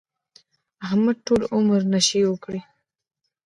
احمد ټول عمر نشې وکړې.